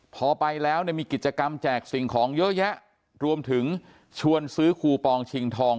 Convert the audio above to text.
พอไปแล้วเนี่ยมีกิจกรรมแจกสิ่งของเยอะแยะรวมถึงชวนซื้อคูปองชิงทอง